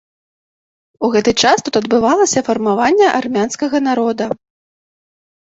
У гэты час тут адбывалася фармаванне армянскага народа.